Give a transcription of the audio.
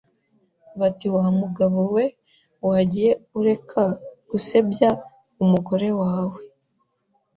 bati wamugabo we wagiye ureka gusebya umugore wawe